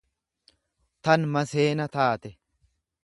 tan maseena taate.